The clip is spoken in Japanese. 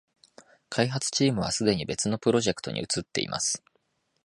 開発チームはすでに別のプロジェクトに移ってます